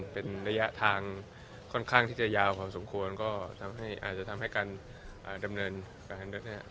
เป็นระยะทางค่อนข้างที่จะยาวพอสมควรก็ทำให้อาจจะทำให้การดำเนินการทางรถเนี่ย